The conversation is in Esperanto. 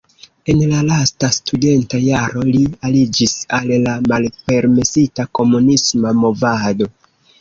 En la lasta studenta jaro li aliĝis al la malpermesita komunisma movado.